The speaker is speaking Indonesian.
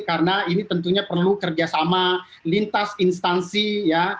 karena ini tentunya perlu kerjasama lintas instansi ya